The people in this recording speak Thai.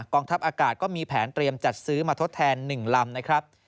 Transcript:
ทัพอากาศก็มีแผนเตรียมจัดซื้อมาทดแทน๑ลำนะครับ